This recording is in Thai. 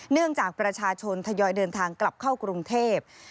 เนื่องจากประชาชนทยอยเดินทางกลับเข้ากรุงเทพ